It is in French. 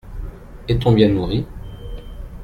Est-on bien nourri ?